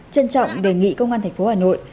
trân trọng đề nghị công an thành phố hà nội